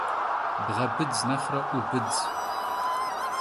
Bğe bıdz nexhre 'U bıdz.